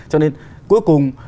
cho nên cuối cùng